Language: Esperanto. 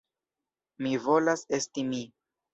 Mi volas esti mi.